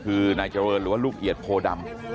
คือนายเจริญหรือว่าลูกเอียดโพดำ